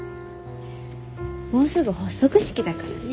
もうすぐ発足式だからね。